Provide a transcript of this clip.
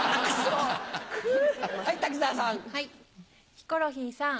ヒコロヒーさん。